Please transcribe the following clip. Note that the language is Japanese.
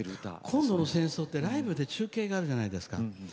今度の戦争ってライブで中継があるじゃないですか。